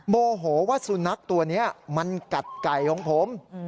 โมโหว่าสุนัขตัวนี้มันกัดไก่ของผม